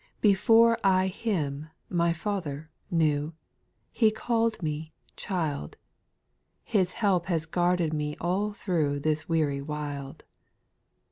Before I Him, my Father, knew. He caird me, child : His help has guarded me all through This weary wild.